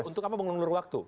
untuk apa mengelur elur waktu